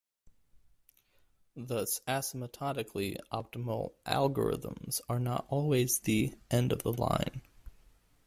Thus asymptotically optimal algorithms are not always the "end of the line".